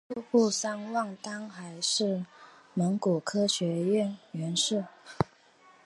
鲁布桑旺丹还是蒙古科学院院士。